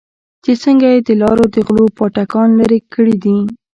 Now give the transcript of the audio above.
چې څنگه يې د لارو د غلو پاټکان لرې کړې دي.